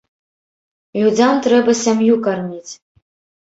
Людзям трэба сям'ю карміць.